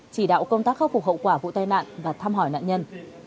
chỉ đạo công tác khắc phục hậu quả vụ tai nạn và thăm hỏi nạn nhân